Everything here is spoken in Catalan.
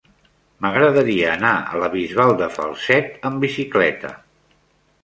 M'agradaria anar a la Bisbal de Falset amb bicicleta.